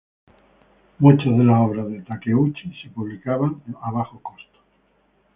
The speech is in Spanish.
Muchas de las obras de Takeuchi se publicaban a bajos costos.